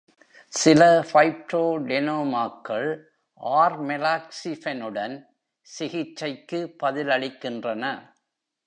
சில ஃபைப்ரோடெனோமாக்கள் ஆர்மெலாக்ஸிஃபெனுடன் சிகிச்சைக்கு பதிலளிக்கின்றன.